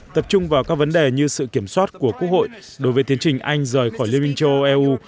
tập trung vào các vấn đề như sự kiểm soát của quốc hội đối với tiến trình anh rời khỏi liên minh châu âu eu